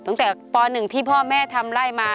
ตั้งแต่ป๑ที่พ่อแม่ทำไล่มา